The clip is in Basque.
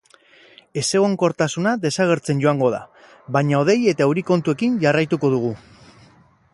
Ezegonkortasuna desagertzen joango da, baina hodei eta euri kontuekin jarraituko dugu.